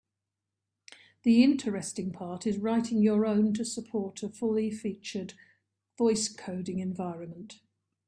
The interesting part is writing your own to support a full-featured voice coding environment.